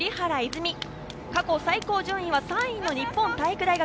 過去最高順位は３位の日本体育大学。